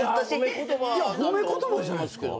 いや褒め言葉じゃないっすか？